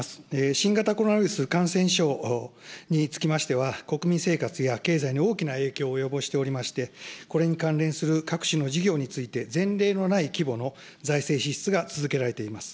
新型コロナウイルス感染症につきましては、国民生活や経済に大きな影響を及ぼしておりまして、これに関連する各種の事業について、前例のない規模の財政支出が続けられています。